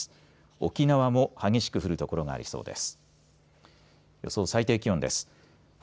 沖縄も激しく降る所がありそうです。